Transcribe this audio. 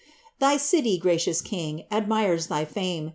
■•Thy oily, giarions king, admires thy fame.